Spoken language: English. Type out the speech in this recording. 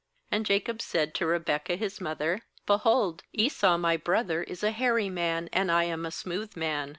uAnd Jacob said to Rebekah his mother: 'Behold, Esau my brother is a hairy man, and I am a smooth man.